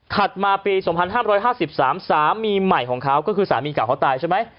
มาปี๒๕๕๓สามีใหม่ของเขาก็คือสามีเก่าเขาตายใช่ไหม